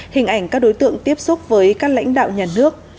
hình ảnh các đối tượng tiếp xúc với các lãnh đạo nhà nước